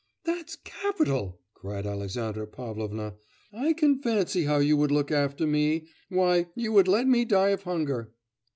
'That's capital!' cried Alexandra Pavlovna. 'I can fancy how you would look after me. Why, you would let me die of hunger.